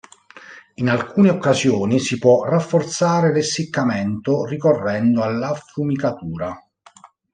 In alcune occasioni si può rafforzare l'essiccamento ricorrendo all'affumicatura.